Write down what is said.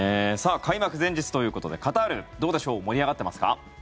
開幕前日ということでカタール、どうでしょう盛り上がっていますか？